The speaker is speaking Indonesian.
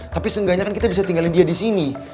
tapi seenggaknya kan kita bisa tinggalin dia di sini